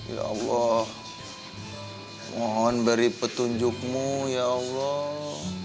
ya allah mohon beri petunjukmu ya allah